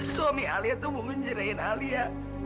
suami alia tuh mau menyerahin alia